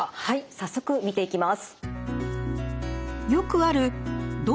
早速見ていきます。